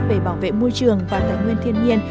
về bảo vệ môi trường và tài nguyên thiên nhiên